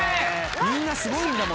みんなすごいんだもん。